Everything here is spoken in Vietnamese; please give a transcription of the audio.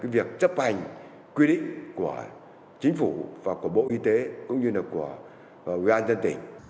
việc chấp hành quy định của chính phủ và của bộ y tế cũng như là của ủy ban dân tỉnh